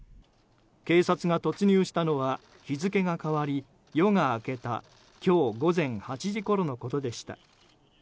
警察が突入したのは日付が変わり夜が明けた今日午前８時ごろのことでした。